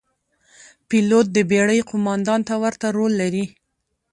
پیلوټ د بېړۍ قوماندان ته ورته رول لري.